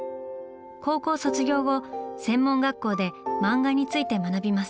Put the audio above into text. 高校卒業後専門学校で漫画について学びます。